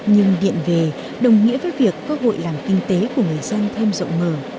nhưng điện về đồng nghĩa với việc cơ hội làm kinh tế của người dân thêm rộng mở